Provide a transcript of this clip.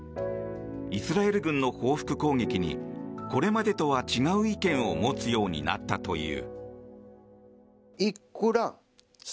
イスラエル軍の報復攻撃にこれまでとは違う意見を持つようになったという。